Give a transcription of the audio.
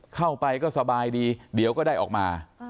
เข้าไปก็สบายดีเดี๋ยวก็ได้ออกมา